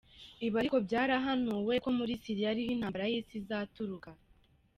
ibi ariko by,arahanuwe ko muri syria ariho intambara y,isi izaturuka.